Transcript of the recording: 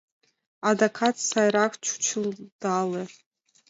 Адакат сайрак чучылдале.